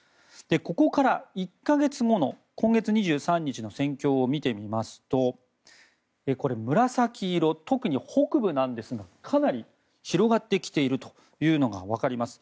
ここから１か月後の今月２３日の戦況を見てみますと紫色、とくに北部なんですがかなり広がってきているのが分かります。